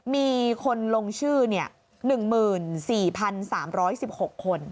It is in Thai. มีคนลงชื่อ๑หมื่น๔๓๑๖คน